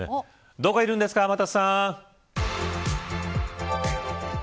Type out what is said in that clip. どこにいるんですか、天達さん。